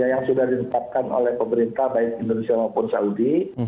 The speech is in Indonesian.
yang sudah ditetapkan oleh pemerintah baik indonesia maupun saudi